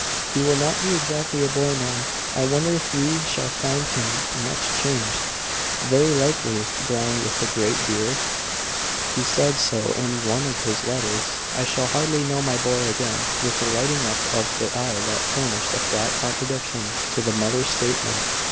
"He will not be exactly a boy now. I wonder if we shall find him much changed." "Very likely. Brown, with a great beard; he said so in one of his letters. I shall hardly know my boy again." With a lighting up of the eye that furnished a flat contradiction to the mother's statement.